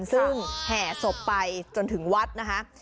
ซึ่งแห่ศพไปจนถึงวัดนะคะ